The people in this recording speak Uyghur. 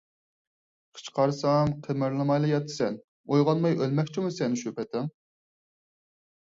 قىچقارسام قىمىرلىمايلا ياتىسەن، ئويغانماي ئۆلمەكچىمۇ سەن شۇ پېتىڭ؟!